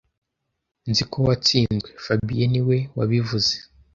Nzi ko watsinzwe fabien niwe wabivuze